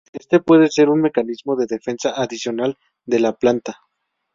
Este puede ser un mecanismo de defensa adicional de la planta.